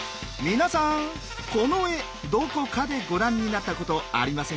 皆さんこの絵どこかでご覧になったことありませんか？